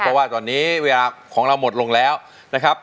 เพราะว่าตอนนี้เวลาของเราหมดลงแล้วนะครับ